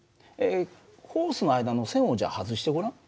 ホースの間の栓をじゃあ外してごらん。